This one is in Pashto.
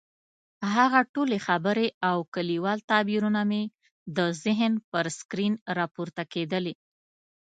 هغه ټولې خبرې او کلیوال تعبیرونه مې د ذهن پر سکرین راپورته کېدلې.